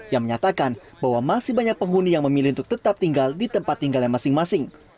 yang menyatakan bahwa masih banyak penghuni yang memilih untuk tetap tinggal di tempat tinggalnya masing masing